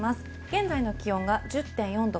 現在の気温が１０．４度。